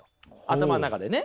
頭の中でね。